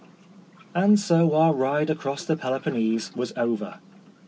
And so our ride across the Pelo ponnese was over.